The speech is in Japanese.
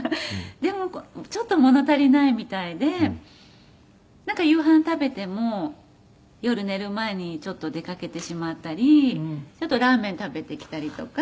でもちょっと物足りないみたいでなんか夕飯食べても夜寝る前にちょっと出かけてしまったりちょっとラーメン食べてきたりとか」